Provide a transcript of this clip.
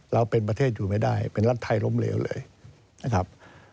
เราเป็นประเทศอยู่ไม่ได้เป็นรัฐไทยล้มเหลวเลยนะครับ